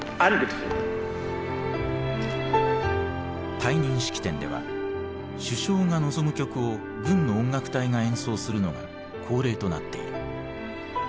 退任式典では首相が望む曲を軍の音楽隊が演奏するのが恒例となっている。